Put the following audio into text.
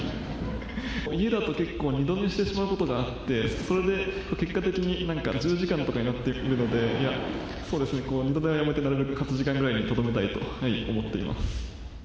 家だと結構、二度寝してしまうことがあって、それで、結果的に１０時間とかになってるので、そうですね、二度寝はやめてなるべく８時間ぐらいにとどめたいと思っています。